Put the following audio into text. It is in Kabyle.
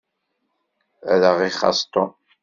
Ad aɣ-ixaṣ Tom.